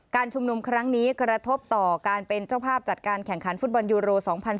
ชุมนุมครั้งนี้กระทบต่อการเป็นเจ้าภาพจัดการแข่งขันฟุตบอลยูโร๒๐๑๙